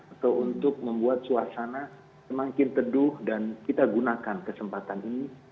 atau untuk membuat suasana semakin teduh dan kita gunakan kesempatan ini